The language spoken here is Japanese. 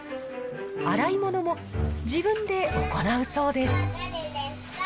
洗い物も自分で行うそうです。